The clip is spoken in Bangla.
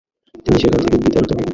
তিনি সেখান থেকে বিতাড়িত হন।